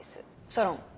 ソロン。